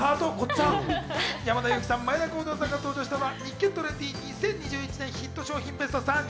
山田裕貴さん、眞栄田郷敦さんが登場したのは『日経トレンディ』２０２１年ヒット商品